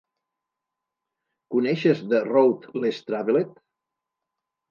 Coneixes "The Road Less Travelled"?